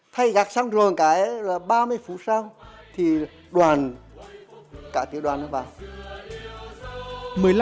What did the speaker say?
thay gác xong rồi một cái là ba mươi phút sau thì đoàn cả tiểu đoàn nó vào